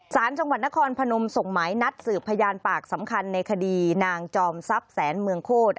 สารจังหวัดนครพนมส่งหมายนัดสืบพยานปากสำคัญในคดีนางจอมทรัพย์แสนเมืองโคตร